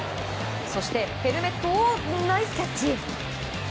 そしてヘルメットをナイスキャッチ。